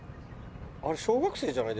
あれ小学生じゃない？